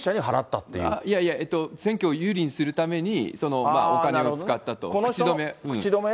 いやいや、選挙を有利にするために、お金を使ったと、口止め。